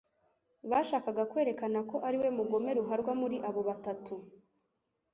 bashakaga kwerakana ko ariwe mugome ruharwa muri abo batatu.